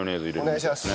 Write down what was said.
お願いします。